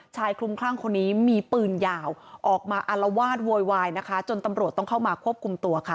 ชายคลุมคลั่งคนนี้มีปืนยาวออกมาอารวาสโวยวายนะคะจนตำรวจต้องเข้ามาควบคุมตัวค่ะ